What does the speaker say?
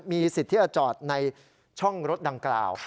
มีสิทธิ์ที่จะจอดในช่องรถดังกล่าว